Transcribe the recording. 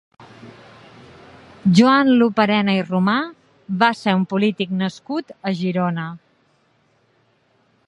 Joan Loperena i Romà va ser un polític nascut a Girona.